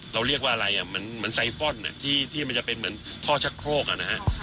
เราเรียกว่าอะไรอ่ะเหมือนไซฟอนที่มันจะเป็นเหมือนท่อชักโครกนะฮะ